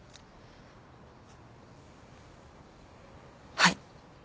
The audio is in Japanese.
はい